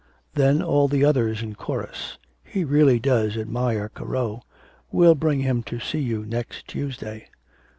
Then all the others in chorus: "he really does admire Corot; we'll bring him to see you next Tuesday."'